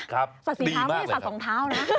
สัตว์ฝีเท้าไม่ใช่สัตว์สองเท้านะ